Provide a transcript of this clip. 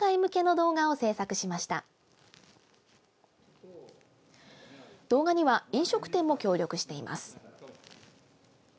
動画には飲食店も協力しています。